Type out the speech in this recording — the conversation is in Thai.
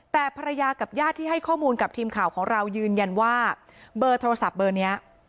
แต่ภรรยากับญาติที่ให้ข้อมูลกับทีมข่าวของเรายืนยันว่าเบอร์โทรศัพท์เบอร์นี้